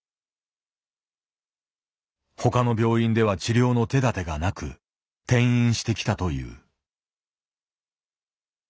他の病院では治療の手だてがなく転院してきたという。